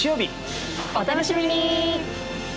お楽しみに！